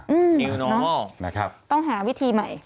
อืมต้องหาวิธีใหม่